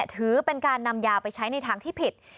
ถือเป็นการนำยาไปใช้ในทางที่ผิด